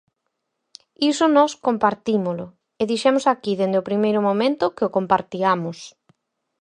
Iso nós compartímolo e dixemos aquí, dende o primeiro momento, que o compartiamos.